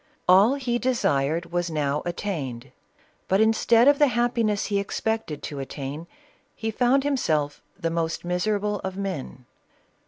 All he desired was now attain ed, but instead of the happiness he expected to attain he found himself the most miserable of men.